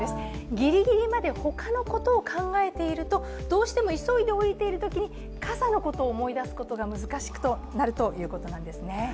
ギリギリまで他のことを考えているとどうしても急いで降りているときに傘のことを思い出すことが難しくなるということなんですね。